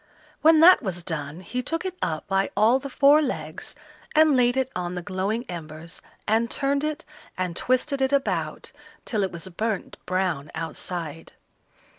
When that was done, he took it up by all the four legs and laid it on the glowing embers, and turned it and twisted it about till it was burnt brown outside.